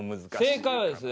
正解はですね